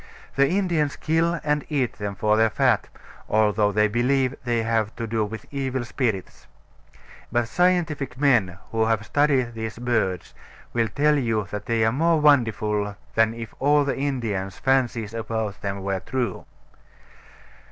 The Indians kill and eat them for their fat, although they believe they have to do with evil spirits. But scientific men who have studied these birds will tell you that they are more wonderful than if all the Indians' fancies about them were true.